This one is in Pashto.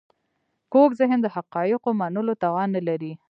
کوږ ذهن د حقایقو منلو توان نه لري